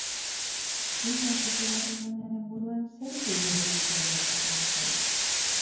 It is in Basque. Filma ikusi berri duenaren buruan zer ideia ibiltzea nahiko zenuke?